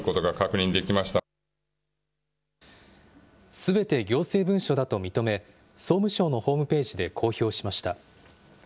すべて行政文書だと認め、総務省のホームページで公表しました。